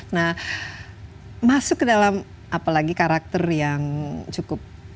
nah masuk ke dalam apalagi karakter yang cukup